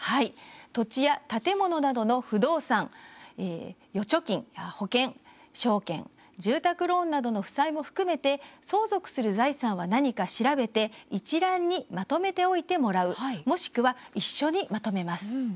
土地や建物などの不動産預貯金、保険、証券住宅ローンなどの負債も含めて相続する財産は何か調べて一覧にまとめておいてもらうもしくは一緒にまとめます。